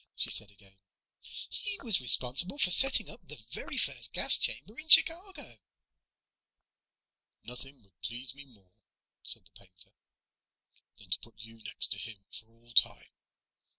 she said again. "He was responsible for setting up the very first gas chamber in Chicago." "Nothing would please me more," said the painter, "than to put you next to him for all time.